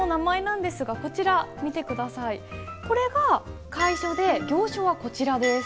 これが楷書で行書はこちらです。